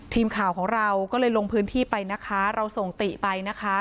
ทีมข่าวของเราก็เลยลงพื้นที่ไปนะคะเราส่งติไปนะคะ